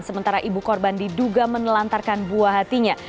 sementara ibu korban diduga menelantarkan buah hatinya